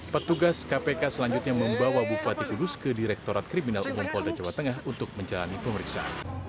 petugas kpk selanjutnya membawa bupati kudus ke direktorat kriminal umum polda jawa tengah untuk menjalani pemeriksaan